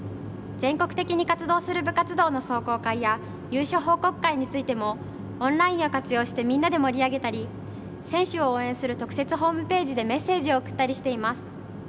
全国的に活動する部活動の壮行会や優勝報告会についてもオンラインを活用してみんなで盛り上げたり選手を応援する特設ホームページでメッセージを送ったりしています。